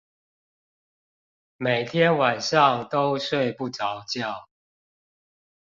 每天晚上都睡不著覺